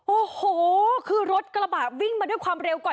โอ้โหคือรถกระบะวิ่งมาด้วยความเร็วก่อน